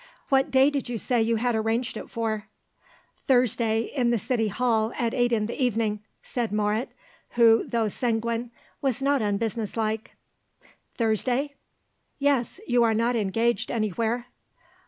What day did you say you had arranged it for?" "Thursday in the City Hall at eight in the evening," said Moret, who, though sanguine, was not unbusiness like. "Thursday?" "Yes, you are not engaged anywhere."